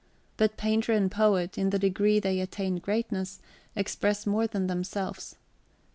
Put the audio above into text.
But painter and poet, in the degree they attain greatness, express more than themselves.